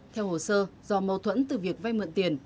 theo hồ sơ do mâu thuẫn từ việc vay mượn tiền